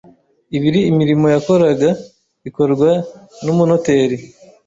ibiri imirimo yakoraga ikorwa n umunoteri